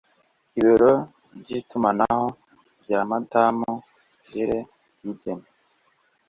ibiro by'itumanaho bya Madamu Jill Biden,